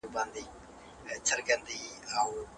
ډیپلوماټیک مهارتونه په نړیوالو اړیکو کي بریا او پرمختګ تضمینوي.